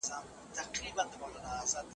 دا کار له تېر نه ګټور دی.